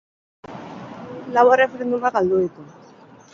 Lau erreferendumak galdu ditu.